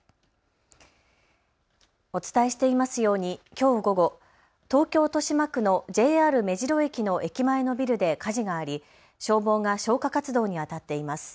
お伝えしていますようにきょう午後、東京豊島区のＪＲ目白駅の駅前のビルで火事があり消防が消火活動にあたっています。